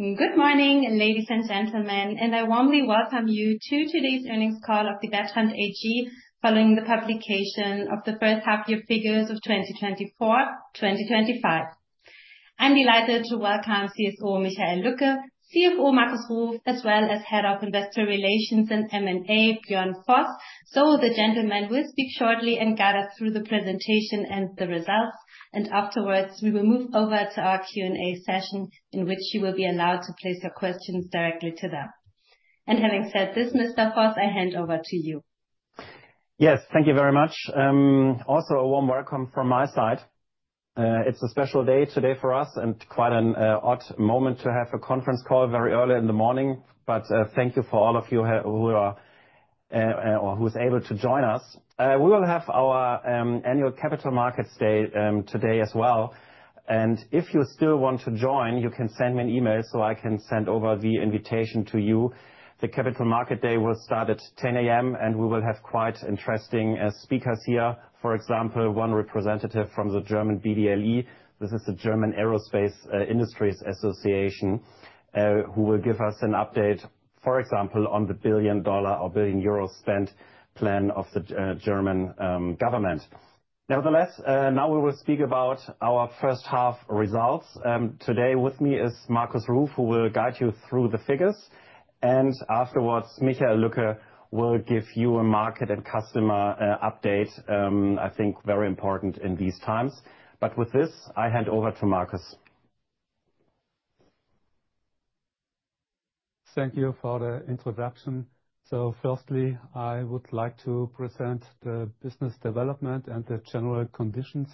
Good morning, ladies and gentlemen, and I warmly welcome you to today's earnings call of Bertrandt following the publication of the first half-year figures of 2024-2025. I'm delighted to welcome CSO Michael Lücke, CFO Markus Ruf, as well as Head of Investor Relations and M&A Björn Voss. The gentlemen will speak shortly and guide us through the presentation and the results. Afterwards, we will move over to our Q&A session in which you will be allowed to place your questions directly to them. Having said this, Mr. Voss, I hand over to you. Yes, thank you very much. Also, a warm welcome from my side. It is a special day today for us and quite an odd moment to have a conference call very early in the morning. Thank you for all of you who are or who is able to join us. We will have our annual Capital Markets Day today as well. If you still want to join, you can send me an email so I can send over the invitation to you. The Capital Markets Day will start at 10:00 A.M., and we will have quite interesting speakers here. For example, one representative from the German BDLE, this is the German Aerospace Industries Association, who will give us an update, for example, on the billion-euro spend plan of the German government. Nevertheless, now we will speak about our first half results. Today with me is Markus Ruf, who will guide you through the figures. Afterwards, Michael Lücke will give you a market and customer update, I think very important in these times. With this, I hand over to Markus. Thank you for the introduction. Firstly, I would like to present the business development and the general conditions.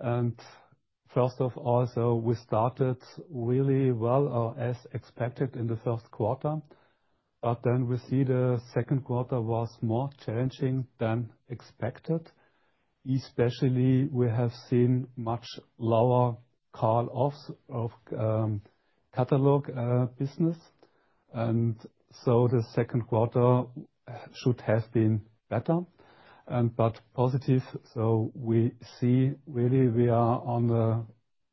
First of all, we started really well or as expected in the first quarter. We see the second quarter was more challenging than expected, especially as we have seen much lower call-offs of catalog business. The second quarter should have been better, but positive. We see we are on a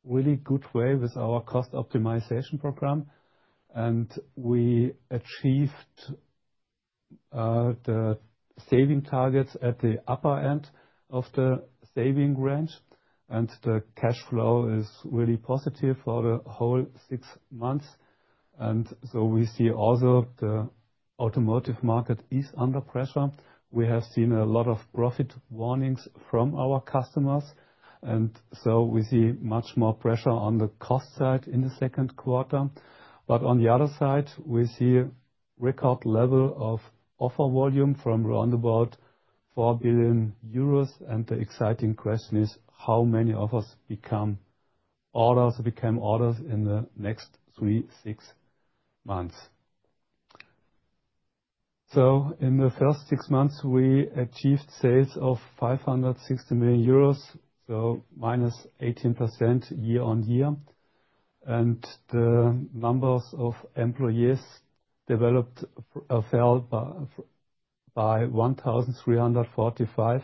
really good way with our cost optimization program. We achieved the saving targets at the upper end of the saving range. The cash flow is really positive for the whole six months. We also see the automotive market is under pressure. We have seen a lot of profit warnings from our customers. We see much more pressure on the cost side in the second quarter. On the other side, we see a record level of offer volume from around about 4 billion euros. The exciting question is how many offers become orders in the next three-six months. In the first six months, we achieved sales of 560 million euros, so minus 18% year on year. The number of employees developed fell by 1,345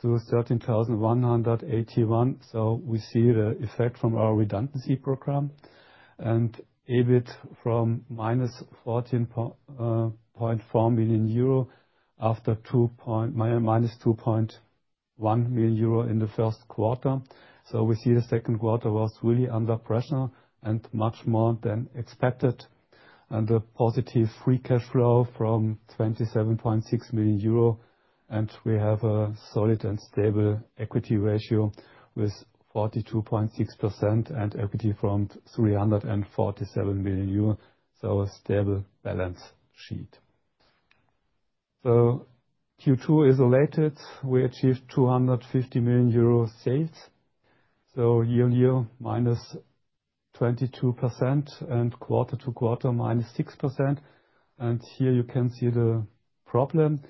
to 13,181. We see the effect from our redundancy program and EBIT from minus 14.4 million euro after minus 2.1 million euro in the first quarter. We see the second quarter was really under pressure and much more than expected. The positive free cash flow from 27.6 million euro. We have a solid and stable equity ratio with 42.6% and equity from 347 million euro. A stable balance sheet. Q2 is related. We achieved 250 million euro sales. Year on year, -22% and quarter to quarter, -6%. Here you can see the problem.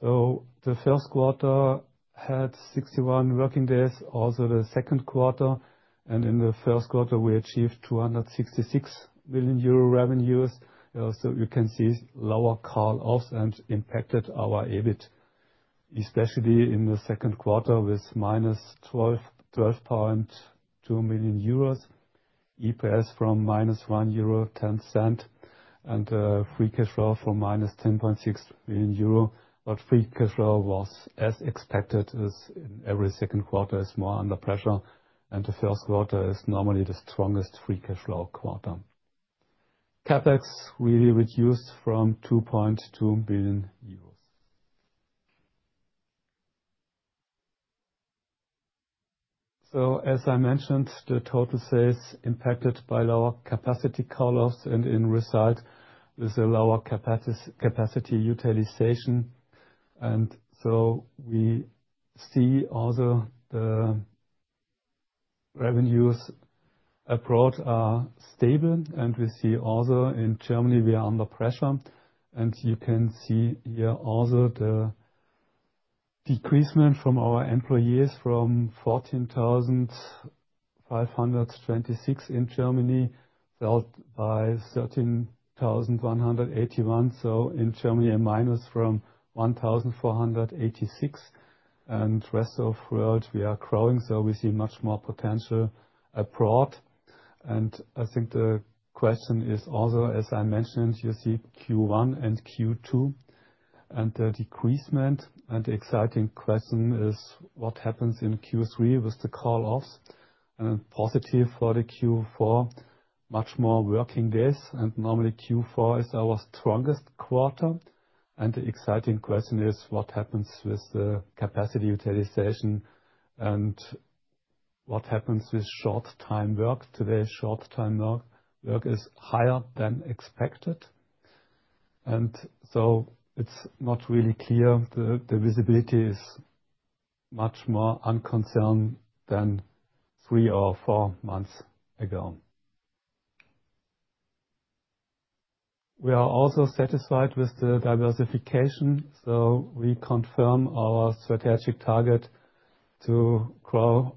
The first quarter had 61 working days, also the second quarter. In the first quarter, we achieved 266 million euro revenues. You can see lower call-offs impacted our EBIT, especially in the second quarter with minus 12.2 million euros, EPS from minus 1.10 euro and free cash flow from minus 10.6 million euro. Free cash flow was as expected as in every second quarter is more under pressure. The first quarter is normally the strongest free cash flow quarter. CapEx really reduced from 2.2 million euros. As I mentioned, the total sales impacted by lower capacity call-offs and in result with a lower capacity utilization. We see also the revenues abroad are stable. We see also in Germany, we are under pressure. You can see here also the decrease from our employees from 14,526 in Germany down to 13,181. In Germany, a minus from 1,486. In rest of world, we are growing. We see much more potential abroad. I think the question is also, as I mentioned, you see Q1 and Q2 and the decrease. The exciting question is what happens in Q3 with the call-offs and positive for Q4, much more working days. Normally, Q4 is our strongest quarter. The exciting question is what happens with the capacity utilization and what happens with short-time work. Today, short-time work is higher than expected. It is not really clear. The visibility is much more unconcerned than three or four months ago. We are also satisfied with the diversification. We confirm our strategic target to grow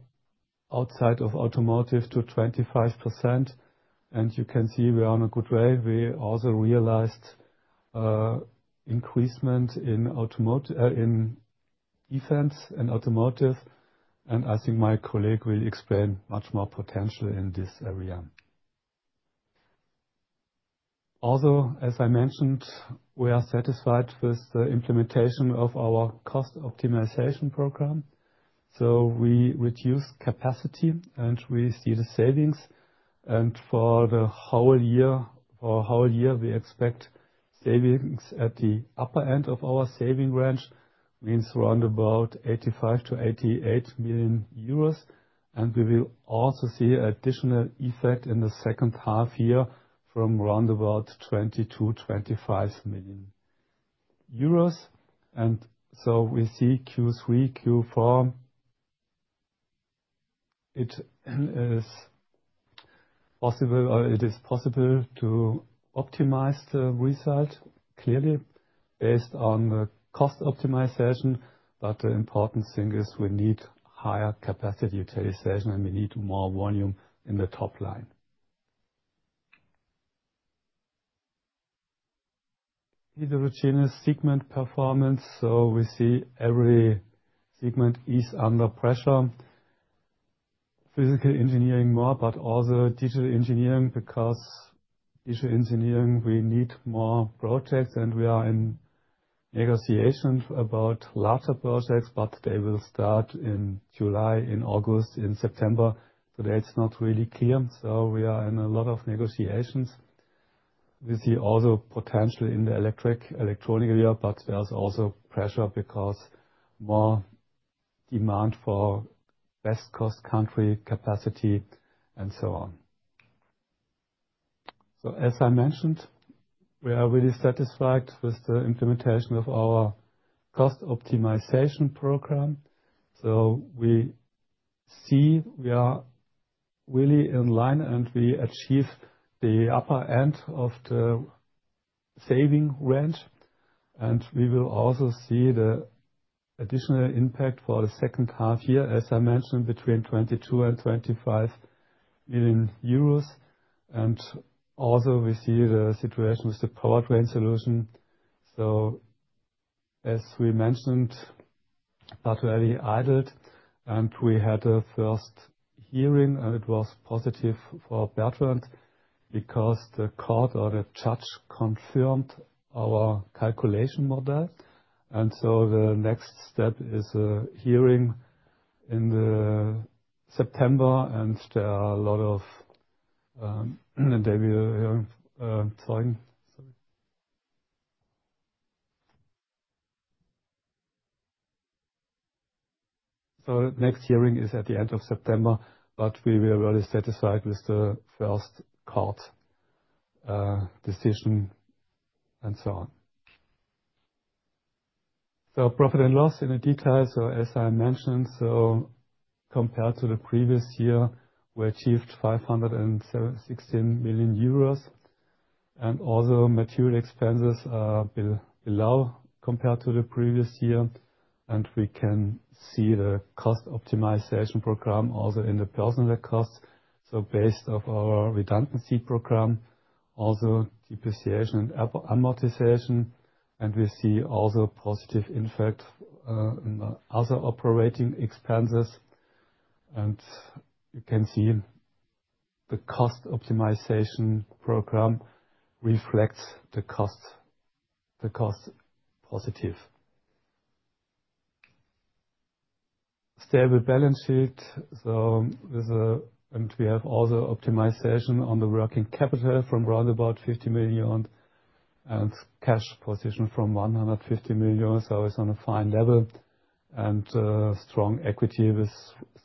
outside of automotive to 25%. You can see we are on a good way. We also realized increasement in defense and automotive. I think my colleague will explain much more potential in this area. Also, as I mentioned, we are satisfied with the implementation of our cost optimization program. We reduce capacity and we see the savings. For the whole year, we expect savings at the upper end of our saving range, which means around 85 million-88 million euros. We will also see additional effect in the second half year from around 22 million-25 million euros. We see Q3, Q4, it is possible to optimize the result clearly based on the cost optimization. The important thing is we need higher capacity utilization and we need more volume in the top line. The routine is segment performance. We see every segment is under pressure. Physical engineering more, but also digital engineering because digital engineering, we need more projects. We are in negotiations about larger projects, but they will start in July, in August, in September. Today, it is not really clear. We are in a lot of negotiations. We see also potential in the electronic area, but there is also pressure because more demand for best cost country capacity and so on. As I mentioned, we are really satisfied with the implementation of our cost optimization program. We see we are really in line and we achieve the upper end of the saving range. We will also see the additional impact for the second half year, as I mentioned, between 22 million-25 million euros. We also see the situation with the powertrain solution. As we mentioned, Bertholt Ehrlich idled and we had a first hearing and it was positive for Bertrandt because the court or the judge confirmed our calculation model. The next step is a hearing in September and there are a lot of, sorry, the next hearing is at the end of September, but we were really satisfied with the first court decision and so on. Profit and loss in detail. As I mentioned, compared to the previous year, we achieved 516 million euros. Also, material expenses were below compared to the previous year. We can see the cost optimization program also in the personnel costs. Based off our redundancy program, also depreciation and amortization. We see also positive impact in other operating expenses. You can see the cost optimization program reflects the cost positive. Stable balance sheet. We have also optimization on the working capital from around about 50 million and cash position from 150 million. It's on a fine level. Strong equity with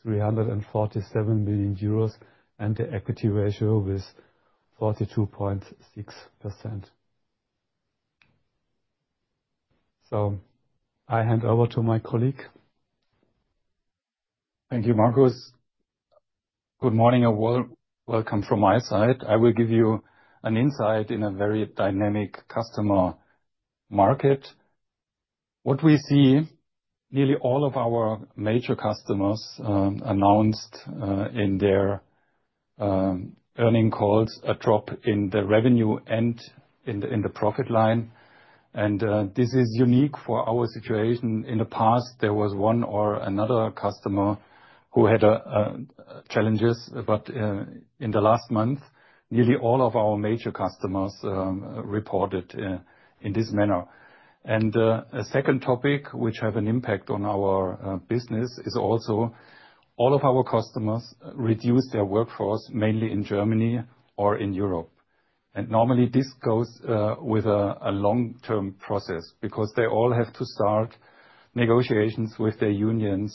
347 million euros and the equity ratio with 42.6%. I hand over to my colleague. Thank you, Markus. Good morning and welcome from my side. I will give you an insight in a very dynamic customer market. What we see, nearly all of our major customers announced in their earning calls a drop in the revenue and in the profit line. This is unique for our situation. In the past, there was one or another customer who had challenges. In the last month, nearly all of our major customers reported in this manner. A second topic, which has an impact on our business, is also all of our customers reduce their workforce mainly in Germany or in Europe. Normally this goes with a long-term process because they all have to start negotiations with their unions.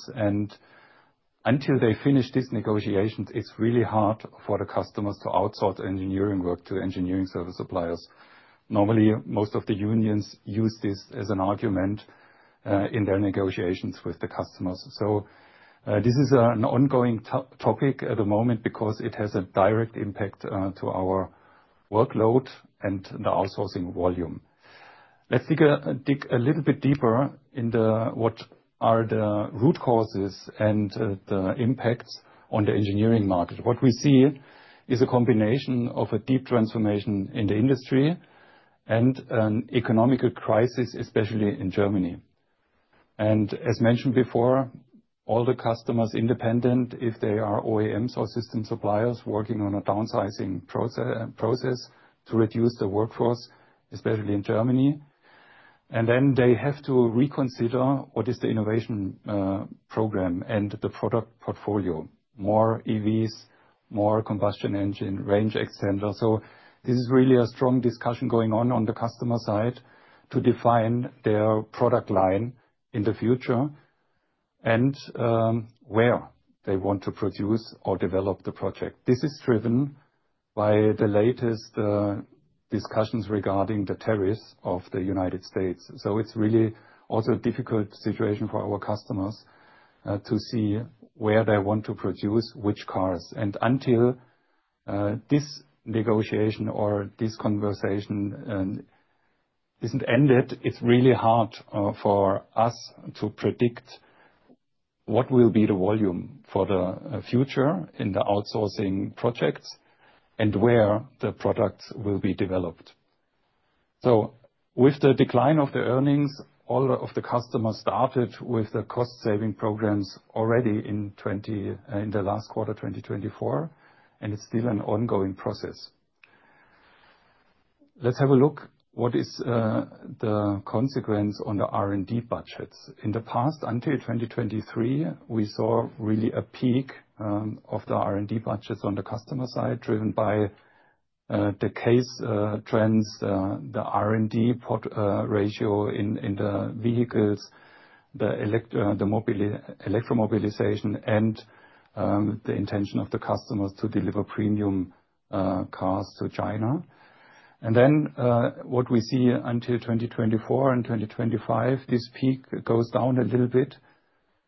Until they finish these negotiations, it is really hard for the customers to outsource engineering work to engineering service suppliers. Normally, most of the unions use this as an argument in their negotiations with the customers. This is an ongoing topic at the moment because it has a direct impact on our workload and the outsourcing volume. Let's dig a little bit deeper into what are the root causes and the impacts on the engineering market. What we see is a combination of a deep transformation in the industry and an economic crisis, especially in Germany. As mentioned before, all the customers, independent if they are OEMs or system suppliers, are working on a downsizing process to reduce the workforce, especially in Germany. They have to reconsider what is the innovation program and the product portfolio, more EVs, more combustion engine, range extender. This is really a strong discussion going on on the customer side to define their product line in the future and where they want to produce or develop the project. This is driven by the latest discussions regarding the tariffs of the US. It is really also a difficult situation for our customers to see where they want to produce which cars. Until this negotiation or this conversation is not ended, it is really hard for us to predict what will be the volume for the future in the outsourcing projects and where the products will be developed. With the decline of the earnings, all of the customers started with the cost-saving programs already in the last quarter 2024. It is still an ongoing process. Let's have a look at what is the consequence on the R&D budgets. In the past, until 2023, we saw really a peak of the R&D budgets on the customer side driven by the case trends, the R&D ratio in the vehicles, the electromobilization, and the intention of the customers to deliver premium cars to China. What we see until 2024 and 2025, this peak goes down a little bit.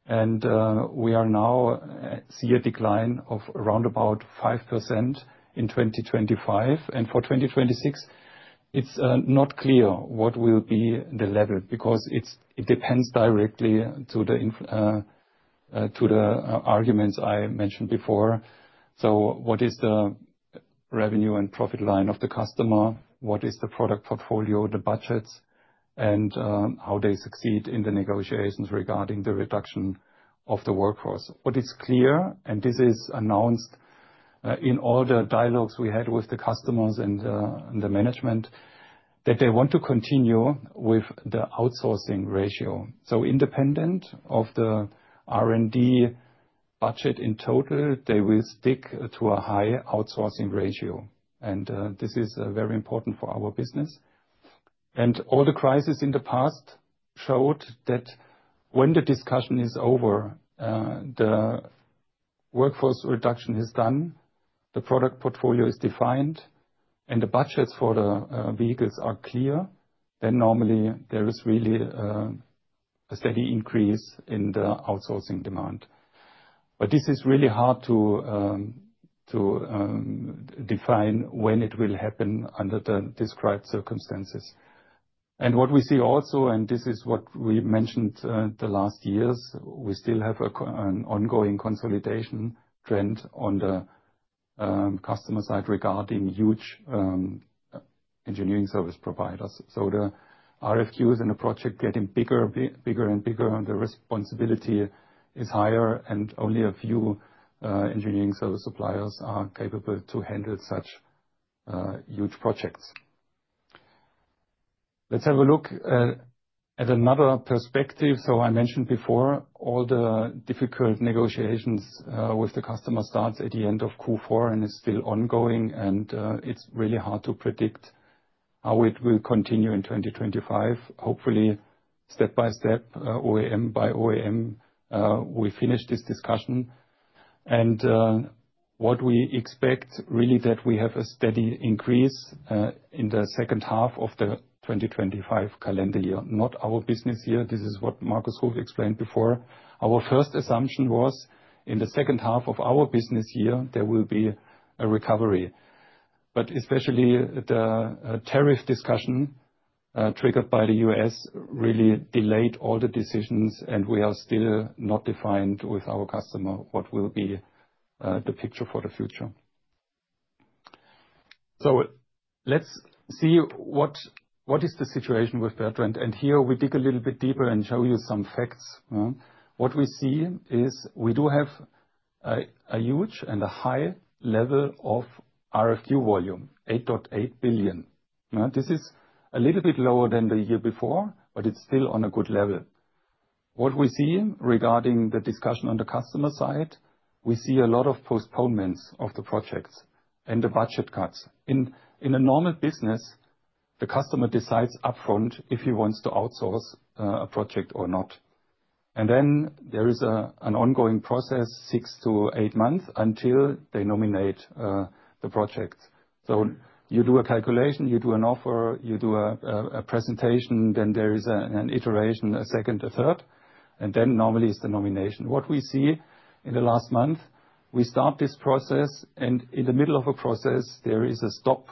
We are now seeing a decline of around about 5% in 2025. For 2026, it is not clear what will be the level because it depends directly to the arguments I mentioned before. What is the revenue and profit line of the customer? What is the product portfolio, the budgets, and how they succeed in the negotiations regarding the reduction of the workforce? What is clear, and this is announced in all the dialogues we had with the customers and the management, that they want to continue with the outsourcing ratio. Independent of the R&D budget in total, they will stick to a high outsourcing ratio. This is very important for our business. All the crises in the past showed that when the discussion is over, the workforce reduction is done, the product portfolio is defined, and the budgets for the vehicles are clear, normally there is really a steady increase in the outsourcing demand. This is really hard to define when it will happen under the described circumstances. What we see also, and this is what we mentioned the last years, we still have an ongoing consolidation trend on the customer side regarding huge engineering service providers. The RFQs and the projects are getting bigger and bigger, and the responsibility is higher, and only a few engineering service suppliers are capable to handle such huge projects. Let's have a look at another perspective. I mentioned before, all the difficult negotiations with the customer start at the end of Q4 and it's still ongoing. It's really hard to predict how it will continue in 2025. Hopefully, step by step, OEM by OEM, we finish this discussion. What we expect really is that we have a steady increase in the second half of the 2025 calendar year, not our business year. This is what Markus Ruf explained before. Our first assumption was in the second half of our business year, there will be a recovery. Especially the tariff discussion triggered by the US really delayed all the decisions, and we are still not defined with our customer what will be the picture for the future. Let's see what is the situation with Bertrandt. Here we dig a little bit deeper and show you some facts. What we see is we do have a huge and a high level of RFQ volume, 8.8 billion. This is a little bit lower than the year before, but it's still on a good level. What we see regarding the discussion on the customer side, we see a lot of postponements of the projects and the budget cuts. In a normal business, the customer decides upfront if he wants to outsource a project or not. There is an ongoing process, six to eight months until they nominate the project. You do a calculation, you do an offer, you do a presentation, then there is an iteration, a second, a third, and then normally it is the nomination. What we see in the last month, we start this process, and in the middle of a process, there is a stop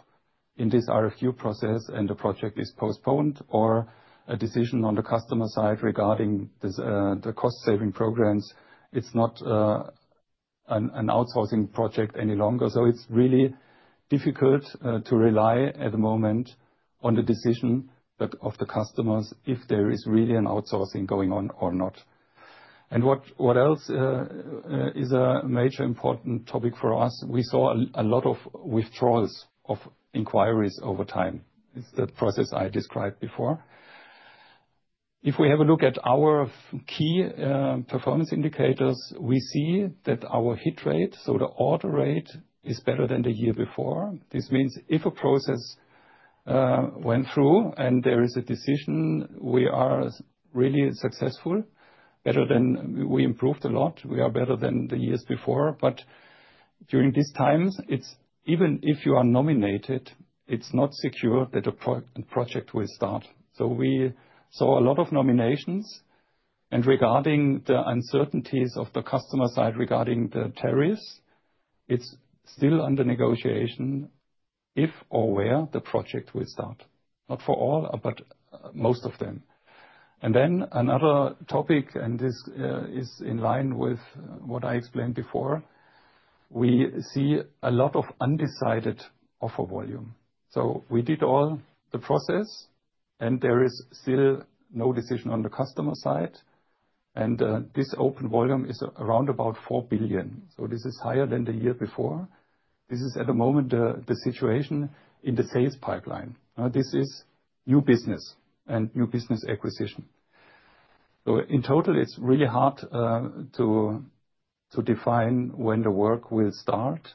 in this RFQ process, and the project is postponed or a decision on the customer side regarding the cost-saving programs. It is not an outsourcing project any longer. It is really difficult to rely at the moment on the decision of the customers if there is really an outsourcing going on or not. What else is a major important topic for us? We saw a lot of withdrawals of inquiries over time. It is the process I described before. If we have a look at our key performance indicators, we see that our hit rate, so the order rate, is better than the year before. This means if a process went through and there is a decision, we are really successful, better than we improved a lot, we are better than the years before. During these times, even if you are nominated, it is not secure that a project will start. We saw a lot of nominations. Regarding the uncertainties of the customer side regarding the tariffs, it is still under negotiation if or where the project will start, not for all, but most of them. Another topic, and this is in line with what I explained before, we see a lot of undecided offer volume. We did all the process, and there is still no decision on the customer side. This open volume is around 4 billion. This is higher than the year before. This is at the moment the situation in the sales pipeline. This is new business and new business acquisition. In total, it's really hard to define when the work will start.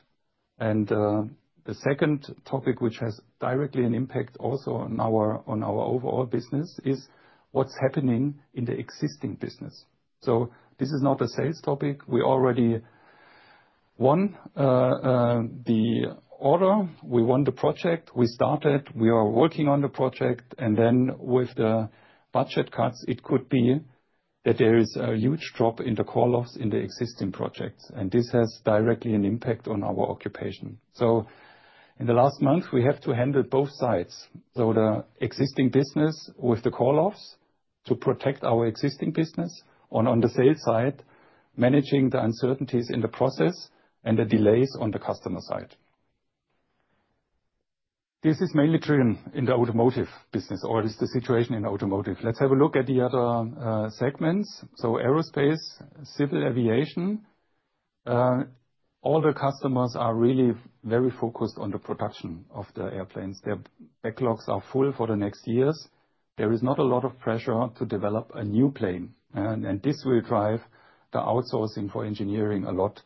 The second topic, which has directly an impact also on our overall business, is what's happening in the existing business. This is not a sales topic. We already won the order, we won the project, we started, we are working on the project. With the budget cuts, it could be that there is a huge drop in the call-offs in the existing projects. This has directly an impact on our occupation. In the last month, we have to handle both sides. The existing business with the call-offs to protect our existing business, and on the sales side, managing the uncertainties in the process and the delays on the customer side. This is mainly true in the automotive business, or it's the situation in automotive. Let's have a look at the other segments. Aerospace, civil aviation, all the customers are really very focused on the production of the airplanes. Their backlogs are full for the next years. There is not a lot of pressure to develop a new plane. This will drive the outsourcing for engineering a lot.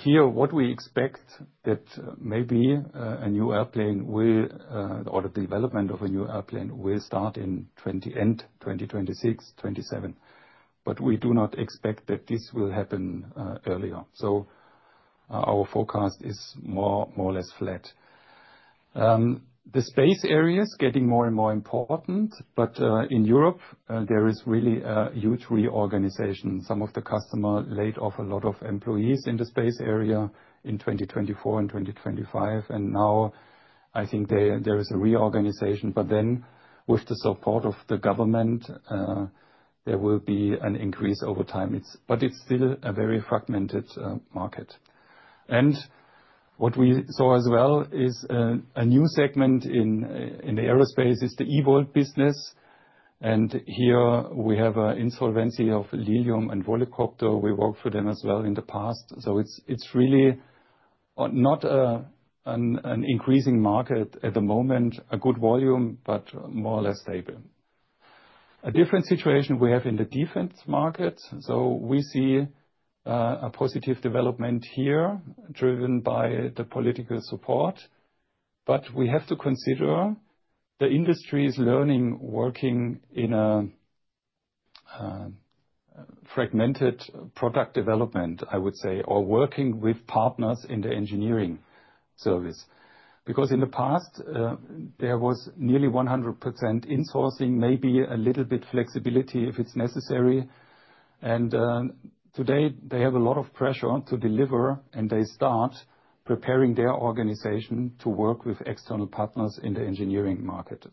Here, what we expect is that maybe a new airplane or the development of a new airplane will start in end 2026, 2027. We do not expect that this will happen earlier. Our forecast is more or less flat. The space area is getting more and more important. In Europe, there is really a huge reorganization. Some of the customers laid off a lot of employees in the space area in 2024 and 2025. I think there is a reorganization. With the support of the government, there will be an increase over time. It is still a very fragmented market. What we saw as well is a new segment in aerospace, which is the eVTOL business. Here we have an insolvency of Lilium and Volocopter. We worked for them as well in the past. It is really not an increasing market at the moment, a good volume, but more or less stable. A different situation we have in the defense market. We see a positive development here driven by the political support. We have to consider the industry is learning working in a fragmented product development, I would say, or working with partners in the engineering service. Because in the past, there was nearly 100% insourcing, maybe a little bit of flexibility if it's necessary. Today, they have a lot of pressure to deliver, and they start preparing their organization to work with external partners in the engineering market.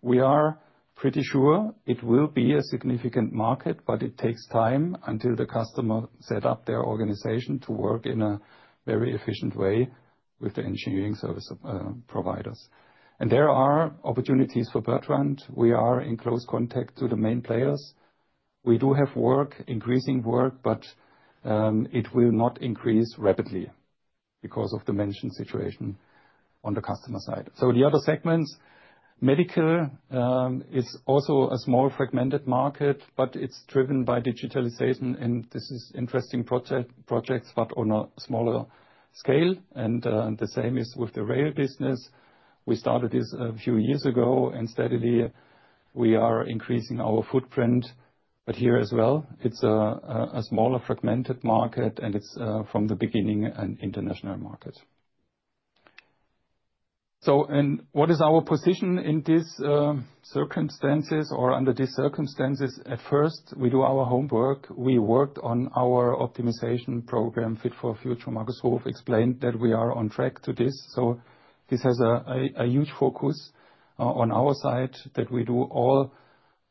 We are pretty sure it will be a significant market, but it takes time until the customer sets up their organization to work in a very efficient way with the engineering service providers. There are opportunities for Bertrandt. We are in close contact with the main players. We do have work, increasing work, but it will not increase rapidly because of the mentioned situation on the customer side. The other segments, medical is also a small fragmented market, but it's driven by digitalization. This is interesting projects, but on a smaller scale. The same is with the rail business. We started this a few years ago, and steadily we are increasing our footprint. Here as well, it's a smaller fragmented market, and it's from the beginning an international market. What is our position in these circumstances or under these circumstances? At first, we do our homework. We worked on our optimization program, Fit for Future. Markus Ruf explained that we are on track to this. This has a huge focus on our side that we do all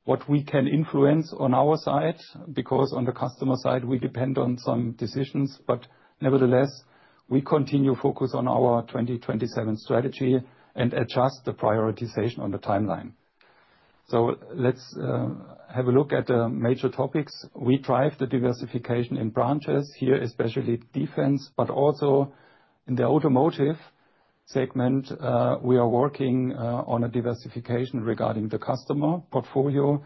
what we can influence on our side because on the customer side, we depend on some decisions. Nevertheless, we continue to focus on our 2027 strategy and adjust the prioritization on the timeline. Let's have a look at the major topics. We drive the diversification in branches here, especially defense, but also in the automotive segment. We are working on a diversification regarding the customer portfolio.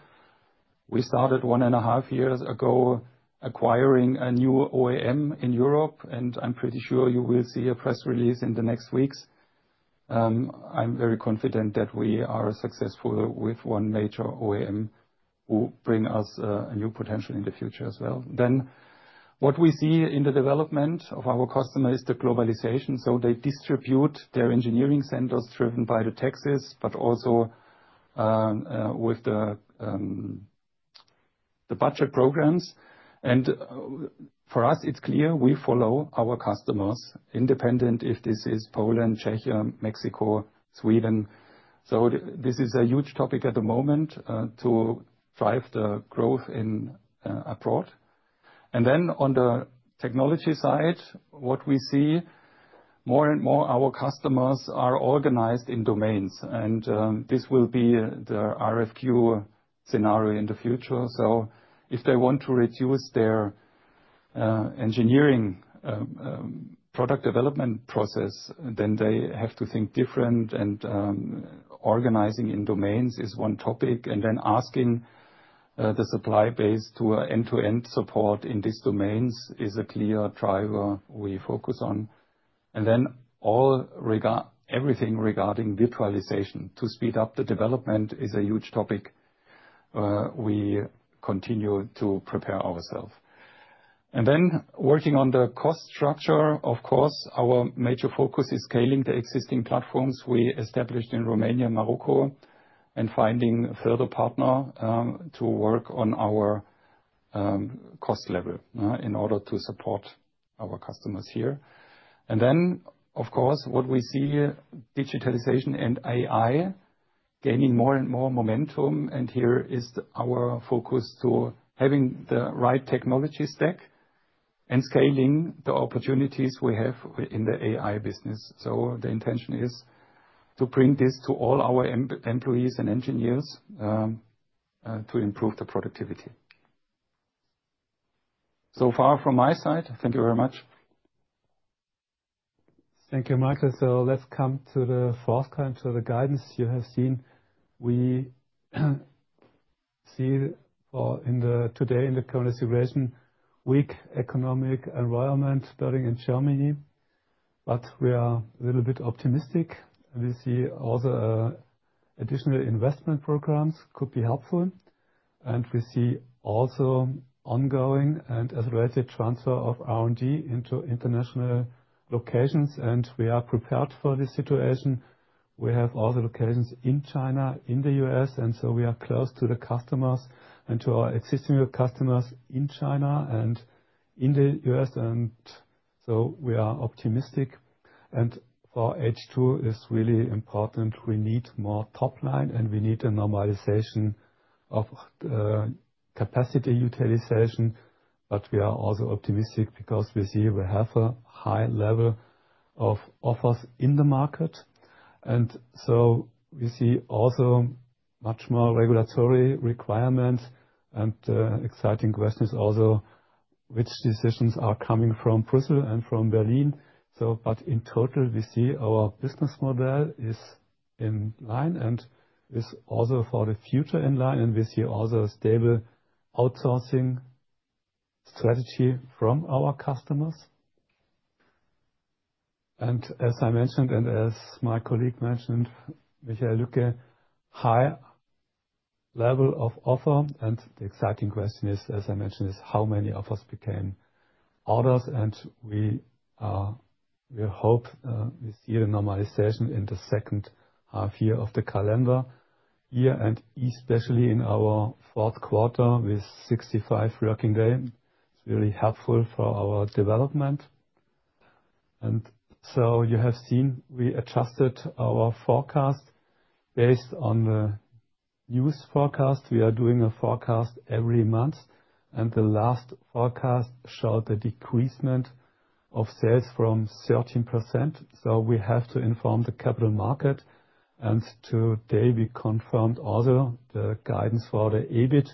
We started one and a half years ago acquiring a new OEM in Europe. I'm pretty sure you will see a press release in the next weeks. I'm very confident that we are successful with one major OEM who brings us a new potential in the future as well. What we see in the development of our customer is the globalization. They distribute their engineering centers driven by the taxes, but also with the budget programs. For us, it's clear we follow our customers, independent if this is Poland, Czechia, Mexico, Sweden. This is a huge topic at the moment to drive the growth abroad. On the technology side, what we see more and more is our customers are organized in domains. This will be the RFQ scenario in the future. If they want to reduce their engineering product development process, then they have to think differently. Organizing in domains is one topic. Asking the supply base to end-to-end support in these domains is a clear driver we focus on. Everything regarding virtualization to speed up the development is a huge topic. We continue to prepare ourselves. Working on the cost structure, of course, our major focus is scaling the existing platforms we established in Romania and Morocco, and finding a further partner to work on our cost level in order to support our customers here. What we see is digitalization and AI gaining more and more momentum. Here is our focus to having the right technology stack and scaling the opportunities we have in the AI business. The intention is to bring this to all our employees and engineers to improve the productivity. So far from my side, thank you very much. Thank you, Markus. Let's come to the fourth kind of guidance you have seen. We see today in the current situation weak economic environment starting in Germany, but we are a little bit optimistic. We see also additional investment programs could be helpful. We see also ongoing and accelerated transfer of R&D into international locations. We are prepared for this situation. We have other locations in China, in the US. We are close to the customers and to our existing customers in China and in the US. We are optimistic. For H2 it is really important. We need more top line, and we need a normalization of capacity utilization. We are also optimistic because we see we have a high level of offers in the market. We see also much more regulatory requirements. The exciting question is also which decisions are coming from Brussels and from Berlin. In total, we see our business model is in line and is also for the future in line. We see also a stable outsourcing strategy from our customers. As I mentioned and as my colleague mentioned, Michael Lücke, high level of offer. The exciting question is, as I mentioned, how many offers became orders. We hope we see the normalization in the second half year of the calendar year, especially in our fourth quarter with 65 working days. It is really helpful for our development. You have seen we adjusted our forecast based on the news forecast. We are doing a forecast every month. The last forecast showed a decreasement of sales from 13%. We have to inform the capital market. Today we confirmed also the guidance for the EBIT.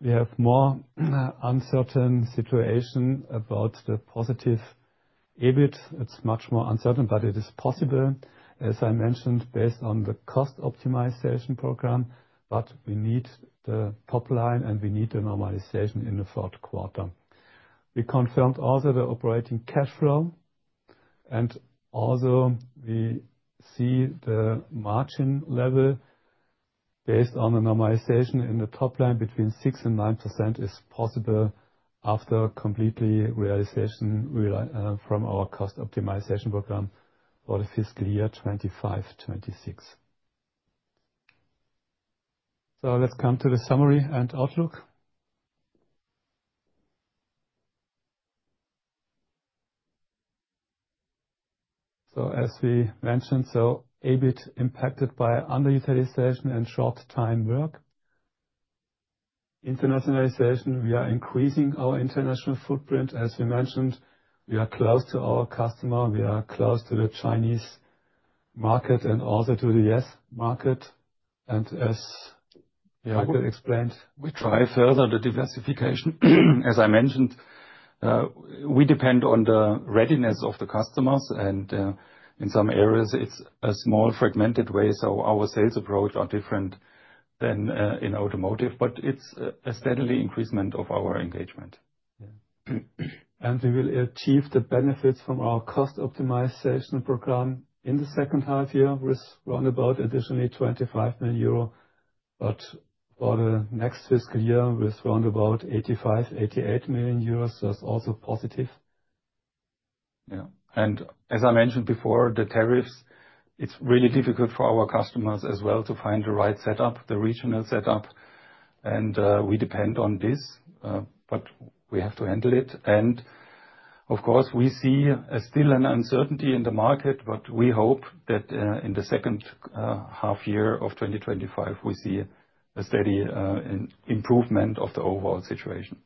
We have a more uncertain situation about the positive EBIT. It is much more uncertain, but it is possible, as I mentioned, based on the cost optimization program. We need the top line and we need the normalization in the fourth quarter. We confirmed also the operating cash flow. We see the margin level based on the normalization in the top line between 6%-9% is possible after complete realization from our cost optimization program for the fiscal year 2025-2026. Let's come to the summary and outlook. As we mentioned, EBIT impacted by underutilization and short-time work. Internationalization, we are increasing our international footprint. As we mentioned, we are close to our customer. We are close to the Chinese market and also to the US market. As Markus explained. We try further the diversification. As I mentioned, we depend on the readiness of the customers. In some areas, it's a small fragmented way. Our sales approach is different than in automotive, but it's a steady increase of our engagement. We will achieve the benefits from our cost optimization program in the second half year with roundabout additionally 25 million euro. For the next fiscal year with roundabout 85-88 million euros, that's also positive. Yeah. As I mentioned before, the tariffs, it's really difficult for our customers as well to find the right setup, the regional setup. We depend on this, but we have to handle it. Of course, we see still an uncertainty in the market, but we hope that in the second half year of 2025, we see a steady improvement of the overall situation.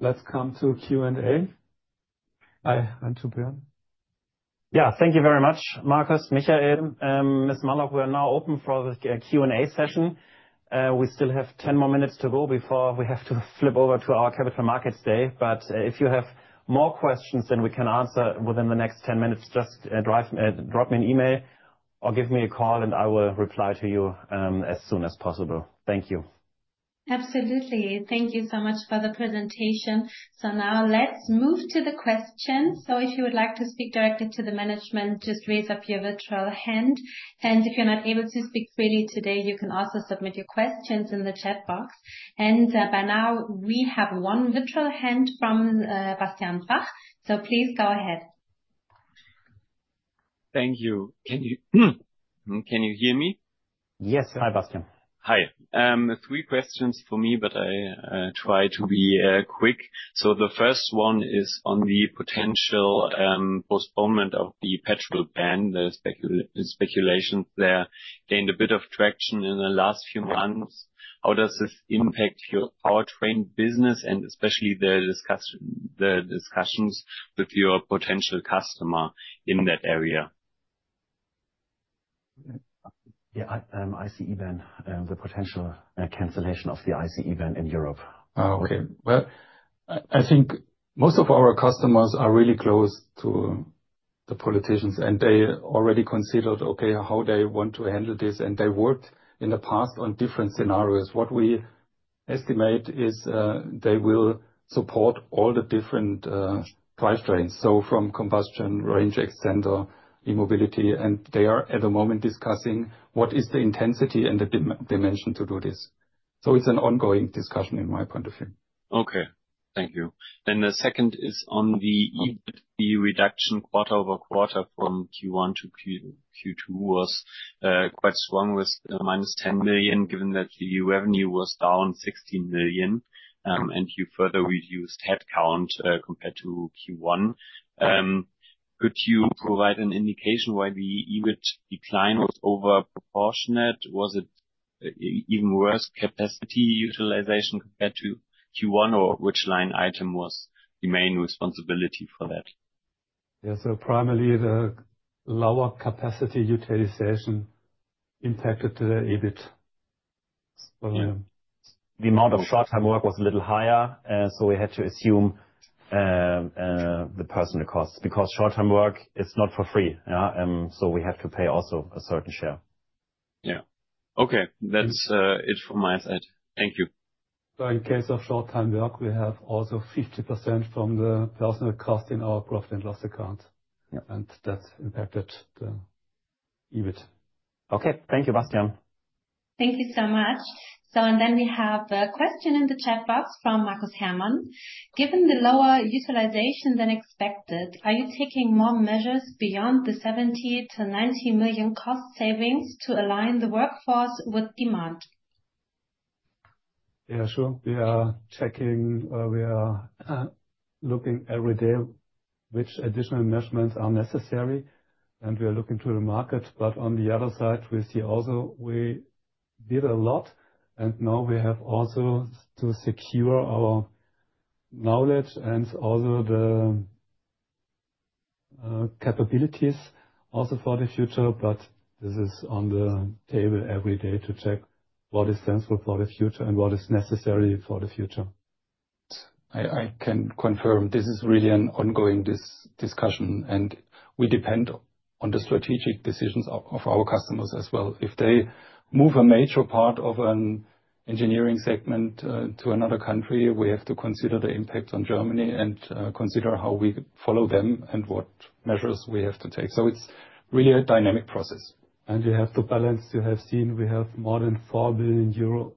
Let's come to Q&A. Hi, and to Björn. Yeah, thank you very much, Markus, Michael, Ms. Malloch. We are now open for the Q&A session. We still have 10 more minutes to go before we have to flip over to our Capital Markets Day. If you have more questions than we can answer within the next 10 minutes, just drop me an email or give me a call, and I will reply to you as soon as possible. Thank you. Absolutely. Thank you so much for the presentation. Now let's move to the questions. If you would like to speak directly to the management, just raise up your virtual hand. If you're not able to speak freely today, you can also submit your questions in the chat box. By now, we have one virtual hand from Bastian Voss. Please go ahead. Thank you. Can you hear me? Yes. Hi, Bastian. Hi. Three questions for me, but I try to be quick. The first one is on the potential postponement of the petrol ban. The speculations there gained a bit of traction in the last few months. How does this impact your powertrain business and especially the discussions with your potential customer in that area? Yeah, ICE van, the potential cancellation of the ICE van in Europe. Oh, okay. I think most of our customers are really close to the politicians, and they already considered, okay, how they want to handle this. They worked in the past on different scenarios. What we estimate is they will support all the different drivetrains, so from combustion, range extender, e-mobility. They are at the moment discussing what is the intensity and the dimension to do this. It is an ongoing discussion in my point of view. Okay. Thank you. The second is on the EBIT reduction quarter over quarter from Q1 to Q2 was quite strong with minus 10 million, given that the revenue was down 16 million, and you further reduced headcount compared to Q1. Could you provide an indication why the EBIT decline was overproportionate? Was it even worse capacity utilization compared to Q1, or which line item was the main responsibility for that? Yeah, so primarily the lower capacity utilization impacted the EBIT. The amount of short-time work was a little higher, so we had to assume the personnel costs because short-time work is not for free. We have to pay also a certain share. Yeah. Okay. That's it from my side. Thank you. In case of short-time work, we have also 50% from the personnel cost in our profit and loss accounts. That impacted the EBIT. Okay. Thank you, Bastian. Thank you so much. We have a question in the chat box from Markus Hermann. Given the lower utilization than expected, are you taking more measures beyond the 70 million-90 million cost savings to align the workforce with demand? Yeah, sure. We are checking. We are looking every day which additional measurements are necessary, and we are looking to the market. On the other side, we see also we did a lot, and now we have also to secure our knowledge and also the capabilities also for the future. This is on the table every day to check what is sensible for the future and what is necessary for the future. I can confirm this is really an ongoing discussion, and we depend on the strategic decisions of our customers as well. If they move a major part of an engineering segment to another country, we have to consider the impact on Germany and consider how we follow them and what measures we have to take. It is really a dynamic process. You have to balance. You have seen we have more than 4 billion euro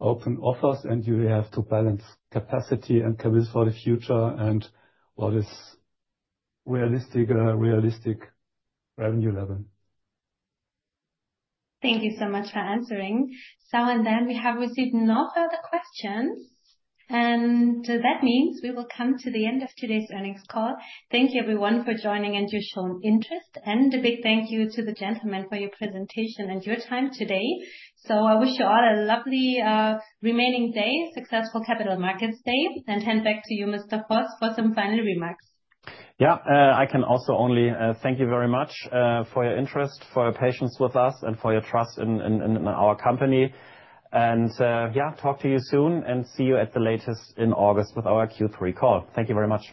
open offers, and you have to balance capacity and capability for the future and what is realistic, realistic revenue level. Thank you so much for answering. We have received no further questions. That means we will come to the end of today's earnings call. Thank you, everyone, for joining and your shown interest. A big thank you to the gentlemen for your presentation and your time today. I wish you all a lovely remaining day, successful Capital Markets Day, and hand back to you, Mr. Voss, for some final remarks. Yeah, I can also only thank you very much for your interest, for your patience with us, and for your trust in our company. Yeah, talk to you soon and see you at the latest in August with our Q3 call. Thank you very much.